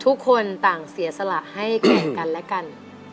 ทุกคนต่างเสียสละให้แข่งกันและกัน